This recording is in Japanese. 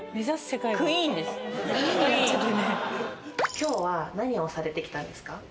今日は何をされてきたんですか？